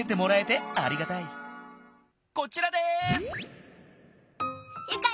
こちらです。